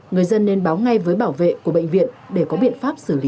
người dân nên báo ngay với bảo vệ của bệnh viện để có biện pháp xử lý kịp thời